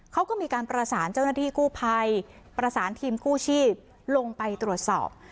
เขาก็มีการประสานเจ้าหน้าที่กู้ภัยประสานทีมกู้ชีพลงไปตรวจสอบ